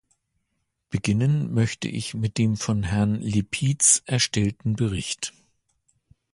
Beginnen möchte ich mit dem von Herrn Lipietz erstellten Bericht.